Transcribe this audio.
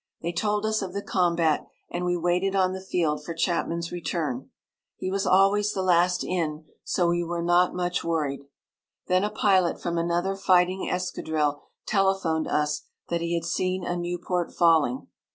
They told us of the combat, and we waited on the field for Chapman's return. He was always the last in, so we were not much worried. Then a pilot from another fighting escadrille telephoned us that he had seen a Nieuport falling.